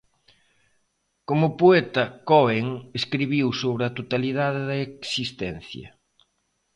Como poeta, Cohen escribiu sobre a totalidade da existencia.